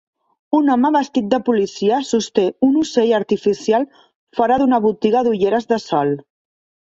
Un home vestit de policia sosté un ocell artificial fora d'una botiga d'ulleres de sol.